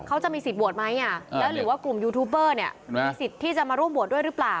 เขาจะมีสิทธิ์บวชไหมหรือว่ากลุ่มยูทูปเบอร์มีสิทธิ์ที่จะมาร่วมบวชด้วยหรือเปล่า